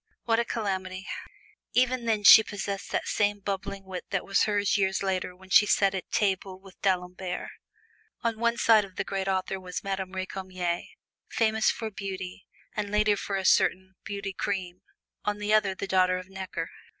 "What a calamity!" Even then she possessed that same bubbling wit that was hers years later when she sat at table with D'Alembert. On one side of the great author was Madame Recamier, famous for beauty (and later for a certain "Beauty Cream"), on the other the daughter of Necker.